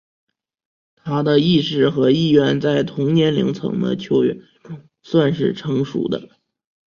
他的意识和意愿在同年龄层的球员中算是成熟的。